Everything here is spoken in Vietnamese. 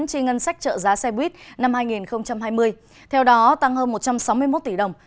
chi ngân sách trợ giá xe buýt năm hai nghìn hai mươi theo đó tăng hơn một trăm sáu mươi một tỷ đồng